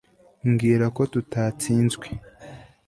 mbwira ko tutatsinzwe